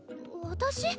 私？